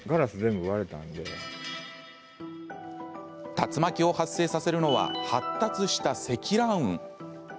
竜巻を発生させるのは発達した積乱雲。